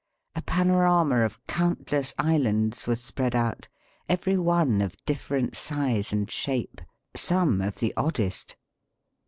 A panorama of countless islands was spread out, every one of different size and shape, some of the oddest.